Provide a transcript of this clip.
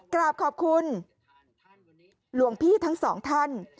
กราบขอบคุณหลวงพี่ทั้งสองท่าน